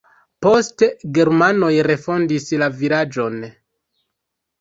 Poste germanoj refondis la vilaĝon.